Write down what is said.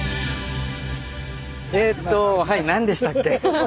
えっとはい何でしたっけ？